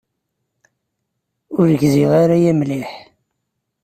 Ur gziɣ ara aya mliḥ.